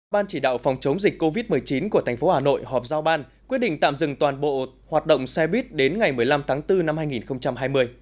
ban chỉ đạo phòng chống dịch covid một mươi chín của tp hà nội họp giao ban quyết định tạm dừng toàn bộ hoạt động xe buýt đến ngày một mươi năm tháng bốn năm hai nghìn hai mươi